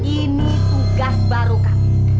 ini tugas baru kamu